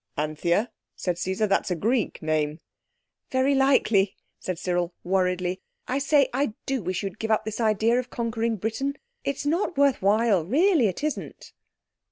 "Anthea?" said Caesar. "That's a Greek name." "Very likely," said Cyril, worriedly. "I say, I do wish you'd give up this idea of conquering Britain. It's not worth while, really it isn't!"